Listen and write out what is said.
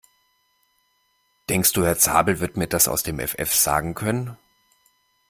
Denkst du, Herr Zabel wird mir das aus dem Effeff sagen können?